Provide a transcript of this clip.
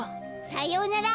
さようなら！